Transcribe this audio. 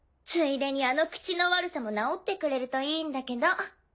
ついでにあの口の悪さも直ってくれるといいんだけど。